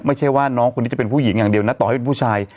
ไม่ใช่ว่าน้องคนนี้จะเป็นผู้หญิงอย่างเดียวนะต่อให้เป็นผู้ชาย